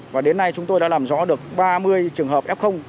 và đến nay chúng tôi đã làm rõ được ba mươi trường hợp f